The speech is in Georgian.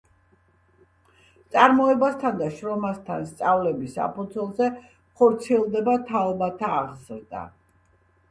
წარმოებასთან და შრომასთან სწავლების საფუძველზე ხორციელდება თაობათა აღზრდა.